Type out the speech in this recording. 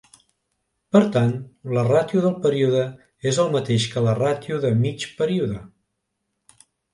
Per tant, la ràtio del període és el mateix que la "ràtio de mig període".